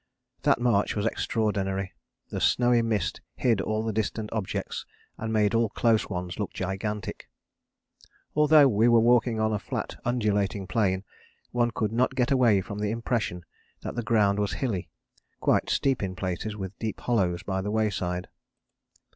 That march was extraordinary, the snowy mist hid all distant objects and made all close ones look gigantic. Although we were walking on a flat undulating plain, one could not get away from the impression that the ground was hilly quite steep in places with deep hollows by the wayside.